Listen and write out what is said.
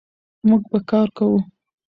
موږ به کار کوو.